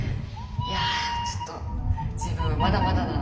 いやちょっと自分はまだまだだな。